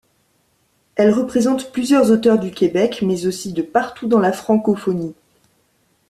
Elle représente plusieurs auteurs du Québec, mais aussi de partout dans la francophonie.